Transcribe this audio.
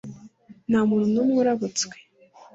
nta muntu n’umwe urabutswe